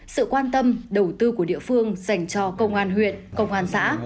sự quan tâm đầu tư của địa phương dành cho công an huyện công an xã